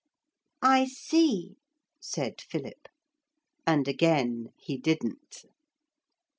'I see,' said Philip. And again he didn't.